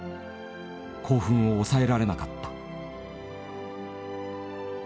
興奮を抑えられなかった。